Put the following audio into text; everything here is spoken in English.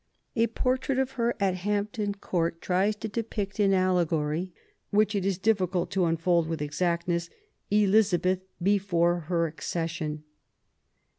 A portrait of her, at Hampton Court, tries to depict in allegory, which it is difficult to unfold with exactness, Elizabeth before her accession.